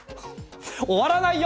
終わらないよ！